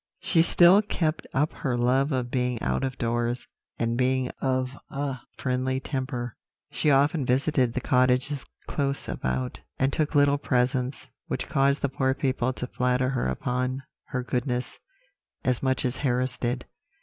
She still kept up her love of being out of doors; and being of a friendly temper, she often visited the cottages close about, and took little presents, which caused the poor people to flatter her upon her goodness, as much as Harris did.